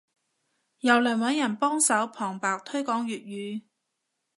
又嚟揾人幫手旁白推廣粵語